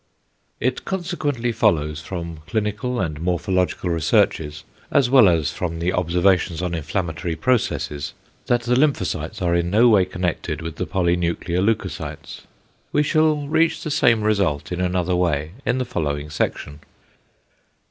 It consequently follows from clinical and morphological researches, as well as from the observations on inflammatory processes, =that the lymphocytes are in no way connected with the polynuclear leucocytes=. We shall reach the same result in another way in the following section.